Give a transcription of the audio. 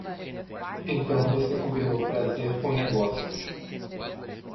Então você combinou prazer com negócios!